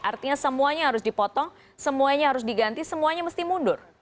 artinya semuanya harus dipotong semuanya harus diganti semuanya mesti mundur